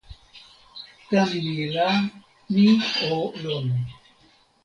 tan ni la, mi o lon.